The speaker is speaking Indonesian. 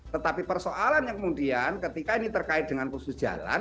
tetapi persoalannya kemudian ketika ini terkait dengan khusus jalan